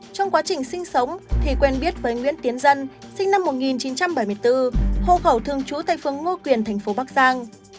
trong quá trình sinh sống thì quen biết với nguyễn tiến dân sinh năm một nghìn chín trăm bảy mươi bốn hộ khẩu thường trú tại phương ngô quyền thành phố bắc giang